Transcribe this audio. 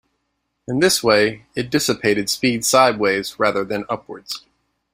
In this way it dissipated speed sideways rather than upwards.